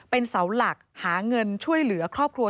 เป็นเสาหลักหาเงินช่วยเหลือครอบครัว